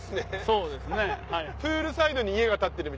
そうですね。